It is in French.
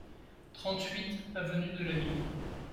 trente-huit avenue de la Mine